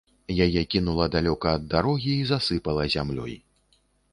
Яе кінула далёка ад дарогі і засыпала зямлёй.